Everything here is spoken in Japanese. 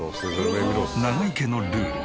永井家のルール。